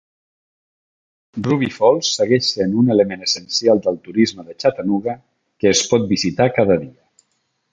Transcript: Ruby Falls segueix sent un element essencial del turisme de Chattanooga, que es pot visitar cada dia.